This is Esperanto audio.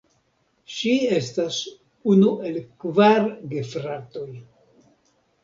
Ŝi estas unu el kvar gefratoj.